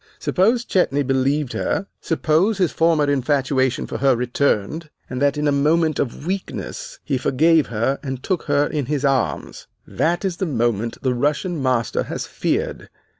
Suppose Chetney believed her, suppose his former infatuation for her returned, and that in a moment of weakness he forgave her and took her in his arms. That is the moment the Russian master has feared.